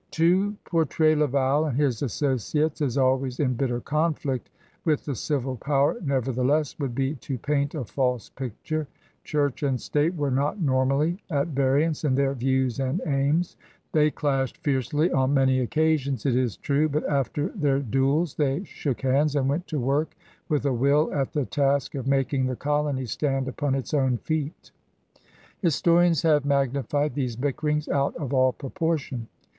To portray Laval and his associates as always in bitter conflict with the civil power, nevertheless, would be to paint a false picture. Church and state were not normally at variance in their views and aims. They clashed fiercely on many occa sions, it is true, but after their duels they shook hands and went to work with a will at the task of making the colony stand upon its own feet. Historians have magnified these bickerings out of all proportion.